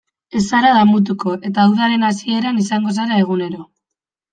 Ez zara damutuko, eta udaren hasieran izango zara egunero.